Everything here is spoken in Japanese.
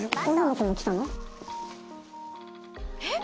えっ！？